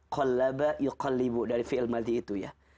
kolaba yukallibu dari fiil maldi itu ya